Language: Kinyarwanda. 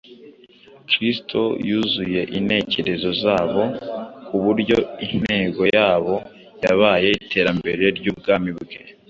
Kristo yuzuye intekerezo zabo ku buryo intego yabo yabaye iterambere ry’Ubwami bwe.